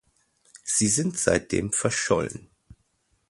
Sie sind seitdem verschollen.